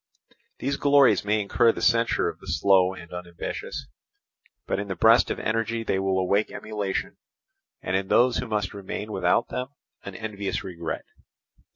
These glories may incur the censure of the slow and unambitious; but in the breast of energy they will awake emulation, and in those who must remain without them an envious regret.